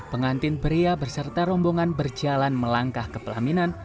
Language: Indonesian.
pengantin pria berserta rombongan berjalan melangkah ke pelaminan